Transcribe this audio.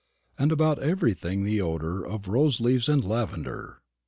and about everything the odour of rose leaves and lavender.